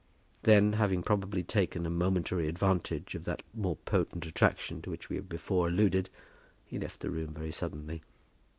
Then, having probably taken a momentary advantage of that more potent attraction to which we have before alluded, he left the room very suddenly.